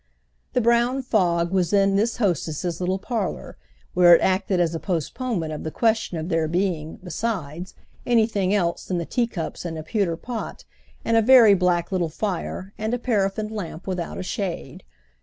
The brown fog was in this hostess's little parlour, where it acted as a postponement of the question of there being, besides, anything else than the teacups and a pewter pot and a very black little fire and a paraffin lamp without a shade.